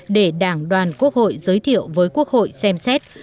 để đảng đoàn quốc hội giới thiệu với quốc hội xem xét